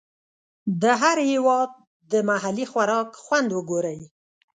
د هر هېواد د محلي خوراک خوند وګورئ.